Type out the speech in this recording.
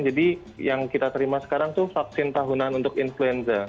jadi yang kita terima sekarang itu vaksin tahunan untuk influenza